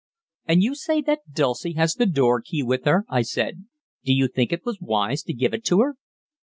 "And you say that Dulcie has the door key with her," I said. "Do you think it was wise to give it to her?"